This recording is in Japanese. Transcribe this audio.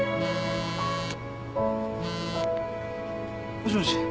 もしもし。